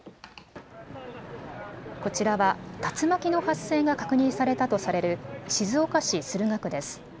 こちらは竜巻の発生が確認されたとされる静岡市駿河区です。